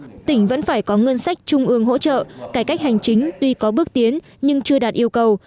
tuy nhiên tỉnh vẫn phải có ngân sách trung ương hỗ trợ cải cách hành chính tuy có bước tiến nhưng chưa đạt yêu cầu